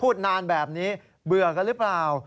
พูดนานแบบนี้เบื่อกันหรือเปล่า